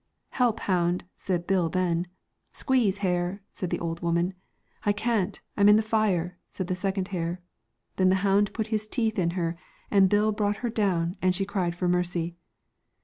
' Help, hound,' said Bill then. ' Squeeze, hair,' said the old woman ;' I can't, I'm in the fire,' said the second hair. Then the hound put his teeth in her, and Bill brought her down, and she cried for mercy.